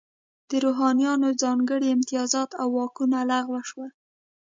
د روحانینو ځانګړي امتیازات او واکونه لغوه شول.